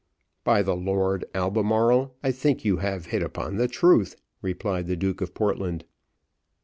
"By the Lord, Albermarle, I think you have hit upon the truth," replied the Duke of Portland.